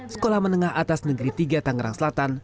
sekolah menengah atas negeri tiga tangerang selatan